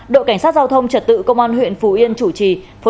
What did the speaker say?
đội cảnh sát giao thông trật tự công an huyện phù yên chủ trì